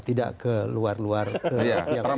tidak ke luar luar pihak pihak